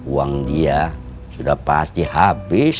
uang dia sudah pasti habis